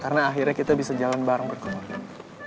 karena akhirnya kita bisa jalan bareng berkomor